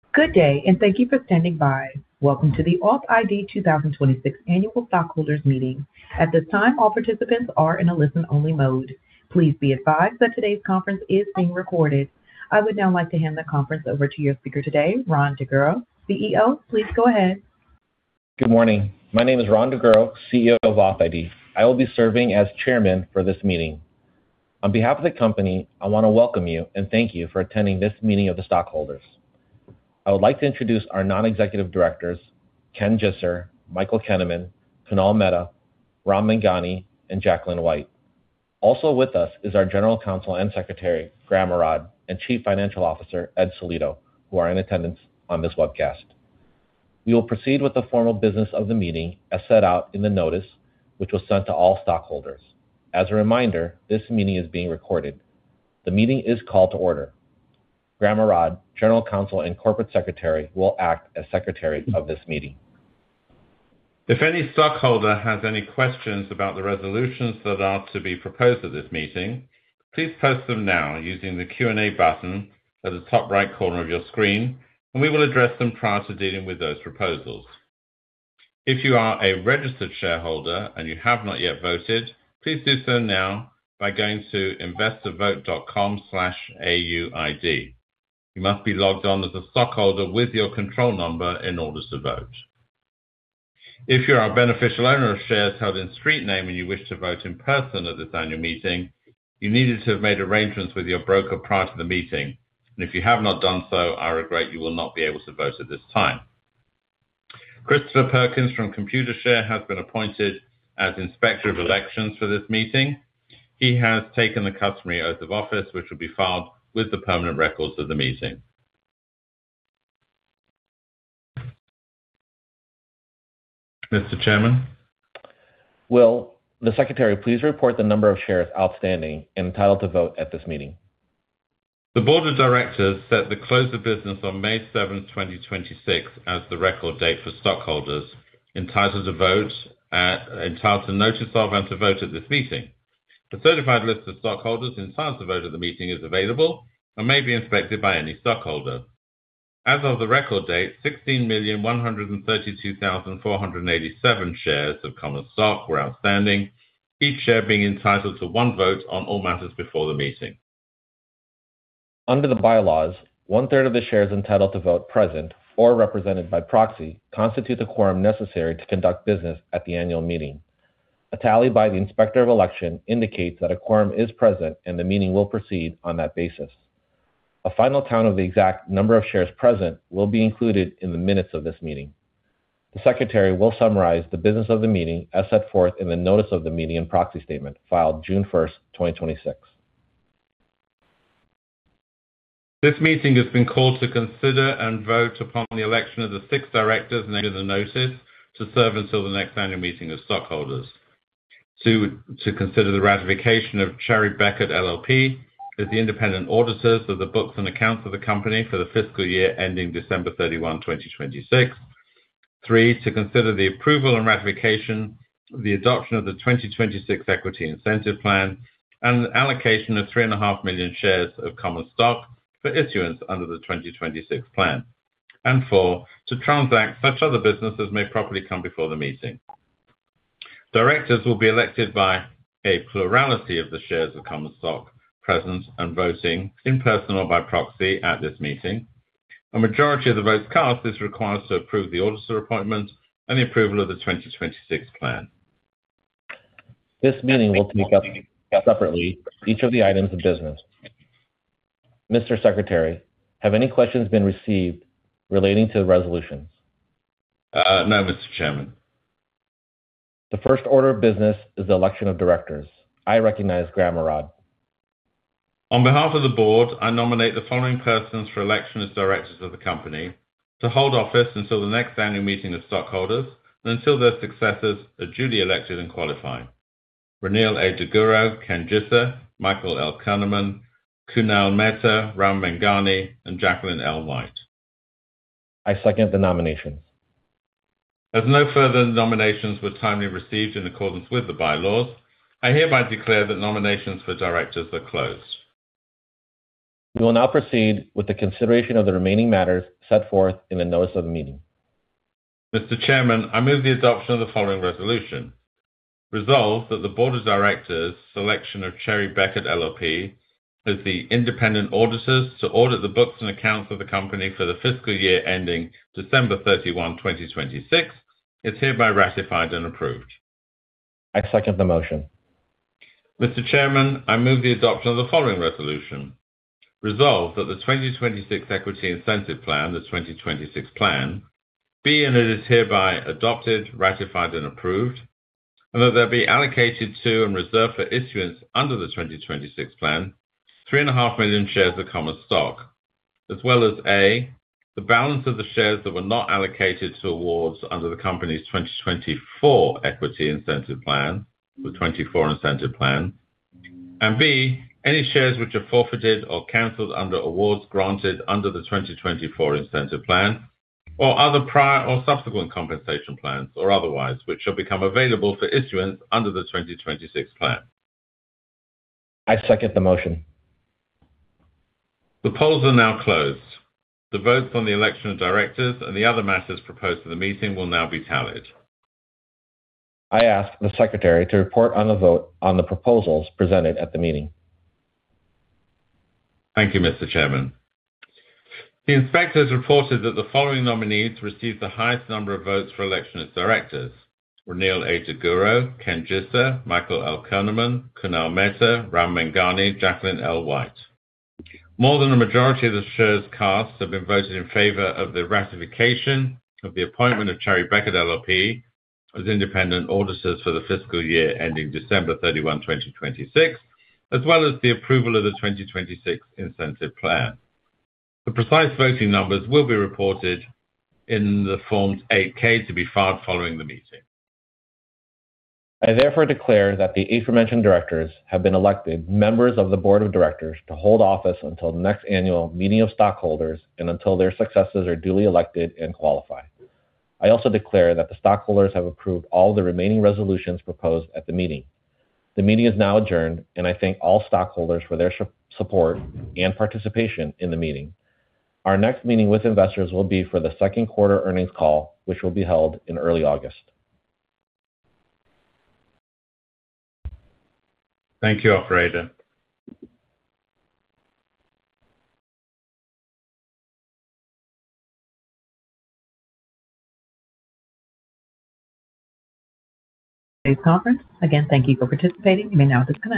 Good day, and thank you for standing by. Welcome to the authID 2026 Annual Stockholders Meeting. At this time, all participants are in a listen-only mode. Please be advised that today's conference is being recorded. I would now like to hand the conference over to your speaker today, Rhon Daguro, CEO. Please go ahead. Good morning. My name is Rhon Daguro, CEO of authID. I will be serving as Chairman for this meeting. On behalf of the company, I want to welcome you and thank you for attending this meeting of the stockholders. I would like to introduce our Non-Executive Directors, Ken Jisser, Michael Koehneman, Kunal Mehta, Ram Menghani, and Jacqueline White. Also with us is our General Counsel and Secretary, Graham Arad, and Chief Financial Officer, Ed Sellitto, who are in attendance on this webcast. We will proceed with the formal business of the meeting as set out in the notice, which was sent to all stockholders. As a reminder, this meeting is being recorded. The meeting is called to order. Graham Arad, General Counsel and Corporate Secretary, will act as secretary of this meeting. If any stockholder has any questions about the resolutions that are to be proposed at this meeting, please post them now using the Q&A button at the top right corner of your screen, and we will address them prior to dealing with those proposals. If you are a registered shareholder and you have not yet voted, please do so now by going to investorvote.com/auid. You must be logged on as a stockholder with your control number in order to vote. If you are a beneficial owner of shares held in street name and you wish to vote in person at this annual meeting, you needed to have made arrangements with your broker prior to the meeting. If you have not done so, I regret you will not be able to vote at this time. Christopher Perkins from Computershare has been appointed as Inspector of Elections for this meeting. He has taken the customary oath of office, which will be filed with the permanent records of the meeting. Mr. Chairman? Will the Secretary please report the number of shares outstanding entitled to vote at this meeting? The Board of Directors set the close of business on May 7th, 2026, as the record date for stockholders entitled to notice of and to vote at this meeting. The certified list of stockholders entitled to vote at the meeting is available and may be inspected by any stockholder. As of the record date, 16,132,487 shares of common stock were outstanding, each share being entitled to one vote on all matters before the meeting. Under the bylaws, 1/3 of the shares entitled to vote present or represented by proxy constitute the quorum necessary to conduct business at the annual meeting. A tally by the Inspector of Election indicates that a quorum is present, and the meeting will proceed on that basis. A final count of the exact number of shares present will be included in the minutes of this meeting. The Secretary will summarize the business of the meeting as set forth in the notice of the meeting and proxy statement filed June 1st, 2026. This meeting has been called to consider and vote upon the election of the six directors named in the notice to serve until the next annual meeting of stockholders. Two, to consider the ratification of Cherry Bekaert LLP as the independent auditors of the books and accounts of the company for the fiscal year ending December 31, 2026. Three, to consider the approval and ratification of the adoption of the 2026 Equity Incentive Plan and the allocation of 3.5 million shares of common stock for issuance under the 2026 Plan. Four, to transact such other business may properly come before the meeting. Directors will be elected by a plurality of the shares of common stock present and voting in person or by proxy at this meeting. A majority of the votes cast is required to approve the auditor appointment and the approval of the 2026 Plan. This meeting will take up separately each of the items of business. Mr. Secretary, have any questions been received relating to the resolutions? No, Mr. Chairman. The first order of business is the election of directors. I recognize Graham Arad. On behalf of the board, I nominate the following persons for election as directors of the company to hold office until the next annual meeting of stockholders and until their successors are duly elected and qualify. Rhoniel A. Daguro, Ken Jisser, Michael L. Koehneman, Kunal Mehta, Ram Menghani, and Jacqueline L. White. I second the nomination. As no further nominations were timely received in accordance with the bylaws, I hereby declare that nominations for directors are closed. We will now proceed with the consideration of the remaining matters set forth in the notice of the meeting. Mr. Chairman, I move the adoption of the following resolution. Resolved, that the Board of Directors' selection of Cherry Bekaert LLP as the independent auditors to audit the books and accounts of the company for the fiscal year ending December 31, 2026, is hereby ratified and approved. I second the motion. Mr. Chairman, I move the adoption of the following resolution. Resolved that the 2026 Equity Incentive Plan, the 2026 Plan, be and it is hereby adopted, ratified, and approved, and that there be allocated to and reserved for issuance under the 2026 Plan, 3.5 million shares of common stock. As well as A, the balance of the shares that were not allocated to awards under the company's 2024 Equity Incentive Plan, the 24 Incentive Plan. B, any shares which are forfeited or canceled under awards granted under the 2024 Incentive Plan or other prior or subsequent compensation plans or otherwise, which shall become available for issuance under the 2026 Plan. I second the motion. The polls are now closed. The votes on the election of directors and the other matters proposed to the meeting will now be tallied. I ask the Secretary to report on the vote on the proposals presented at the meeting. Thank you, Mr. Chairman. The Inspector has reported that the following nominees received the highest number of votes for election as directors. Rhoniel A. Daguro, Ken Jisser, Michael L. Koehneman, Kunal Mehta, Ram Menghani, Jacqueline L. White. More than a majority of the shares cast have been voted in favor of the ratification of the appointment of Cherry Bekaert LLP as independent auditors for the fiscal year ending December 31, 2026, as well as the approval of the 2026 Incentive Plan. The precise voting numbers will be reported in the Forms 8-K to be filed following the meeting. I therefore declare that the aforementioned directors have been elected members of the Board of Directors to hold office until the next annual meeting of stockholders and until their successors are duly elected and qualify. I also declare that the stockholders have approved all the remaining resolutions proposed at the meeting. The meeting is now adjourned. I thank all stockholders for their support and participation in the meeting. Our next meeting with investors will be for the second quarter earnings call, which will be held in early August. Thank you, operator. Today's conference. Again, thank you for participating. You may now disconnect.